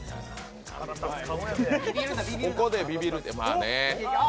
ここでビビるって、まあね。